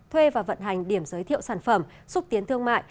thuê và vận hành điểm giới thiệu sản phẩm xúc tiến thương mại